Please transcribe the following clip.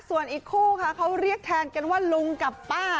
ส่วนอีกคู่ค่ะเขาเรียกแทนกันว่าลุงกับป้า